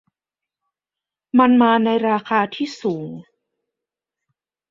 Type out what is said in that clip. มันมาในราคาที่สูง